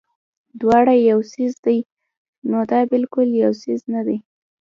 دواړه يو څيز دے نو دا بالکل يو څيز نۀ دے